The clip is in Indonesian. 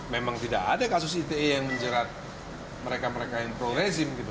memang tidak ada kasus ite yang menjerat mereka mereka yang pro rezim gitu